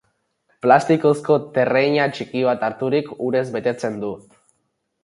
Plastikozko terreina txiki bat harturik, urez betetzen du.